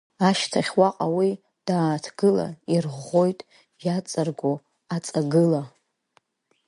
Ашьҭахь уаҟа уи дааҭгыла, ирӷәӷәоит иаҵаргәо аҵагыла.